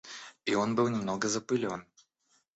И он был немного запылен.